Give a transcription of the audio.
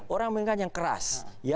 orang menginginkan yang keras